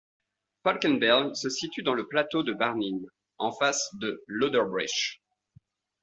Falkenberg se situe dans le plateau de Barnim, en face de l'Oderbruch.